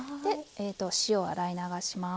塩を洗い流します。